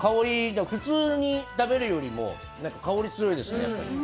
普通に食べるよりも香り強いですね。